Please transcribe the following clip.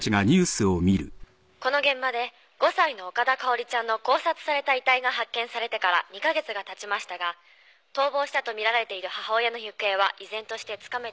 この現場で５歳の岡田かおりちゃんの絞殺された遺体が発見されてから２カ月がたちましたが逃亡したとみられている母親の行方は依然としてつかめておりません。